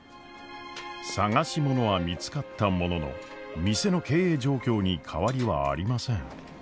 捜し物は見つかったものの店の経営状況に変わりはありません。